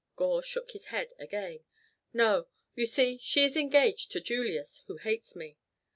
Gore shook his head again. "No. You see, she is engaged to Julius, who hates me."